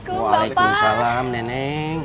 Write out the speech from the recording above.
aku most benar benar kaya di sana untuk tentang jho